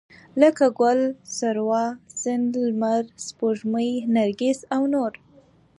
لکه ګل، سروه، سيند، لمر، سپوږمۍ، نرګس او نور